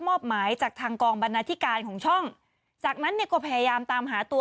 มอบหมายจากทางกองบรรณาธิการของช่องจากนั้นเนี่ยก็พยายามตามหาตัว